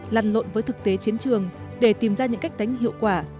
lăn lộn với thực tế chiến trường để tìm ra những cách đánh hiệu quả